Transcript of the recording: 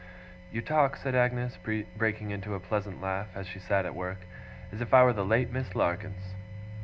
'You talk,' said Agnes, breaking into a pleasant laugh, as she sat at work, 'as if I were the late Miss Larkins.